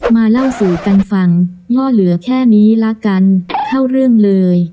มาเล่าสู่กันฟังย่อเหลือแค่นี้ละกันเข้าเรื่องเลย